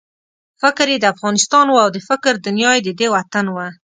فکر یې د افغانستان وو او د فکر دنیا یې ددې وطن وه.